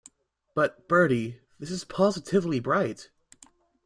But, Bertie, this is positively bright.